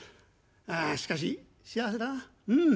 ああしかし幸せだなうん。